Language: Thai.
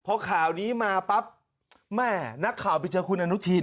พอข่าวนี้มาปั๊บแม่นักข่าวไปเจอคุณอนุทิน